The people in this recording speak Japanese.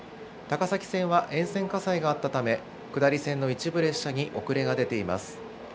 高崎線は沿線火災があったため、下り線の一部列車に遅れが出ています。